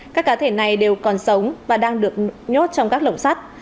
các cá thể này đều còn sống và đang được nhốt trong các lồng sắt